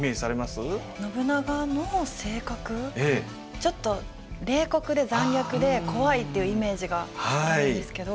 ちょっと冷酷で残虐で怖いっていうイメージがあるんですけど。